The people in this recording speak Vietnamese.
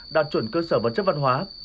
đạt chuẩn cơ sở vật chất văn hóa